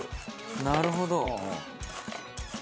なるほど。